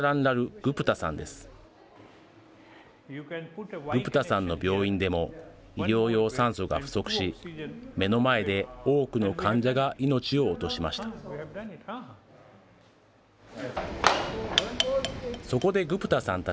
グプタさんの病院でも医療用酸素が不足し、目の前で多くの患者が命を落としました。